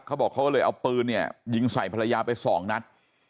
เขาบอกเขาก็เลยเอาปืนเนี่ยยิงใส่ภรรยาไปสองนัด